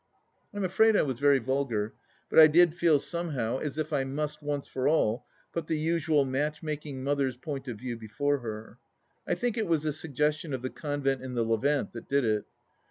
.,. I am afraid I was very vulgar, but I did feel somehow, as if I must, once for all, put the usual match making mother's point of view before her. I think it was the suggestion of the convent in the Levant that did it.